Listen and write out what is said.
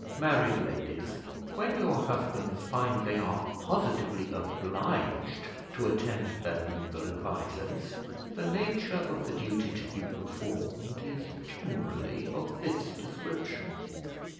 Married ladies, when your husbands find they are positively obliged to attend their legal advisers, the nature of the duty to be performed is generally of this description.